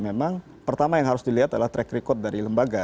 memang pertama yang harus dilihat adalah track record dari lembaga